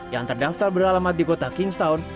yang terdaftar beralamat di kota kingstown